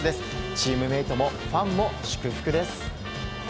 チームメートもファンも祝福です。